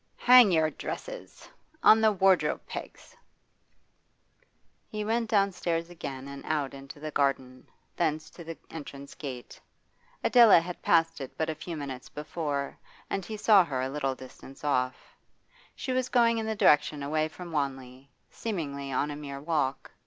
'Hang your dresses on the wardrobe pegs!' He went downstairs again and out into the garden, thence to the entrance gate. Adela had passed it but a few minutes before, and he saw her a little distance off. She was going in the direction away from Wanley, seemingly on a mere walk.